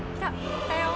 来たよ。